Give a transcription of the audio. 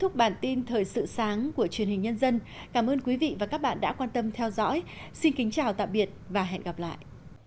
cảm ơn các bạn đã theo dõi và hẹn gặp lại